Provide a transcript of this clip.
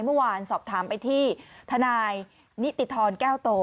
เมื่อวานสอบถามไปที่ทนายนิติธรแก้วโต